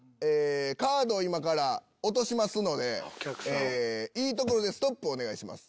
カードを今から落としますのでいいところで「ストップ」お願いします。